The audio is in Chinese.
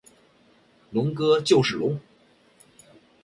龙哥就是龙！